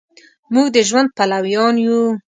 مونږ د ژوند پلویان یو